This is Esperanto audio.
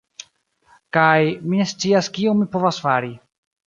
Kaj, mi ne scias kion mi povas fari.